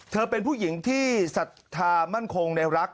เป็นผู้หญิงที่ศรัทธามั่นคงในรัก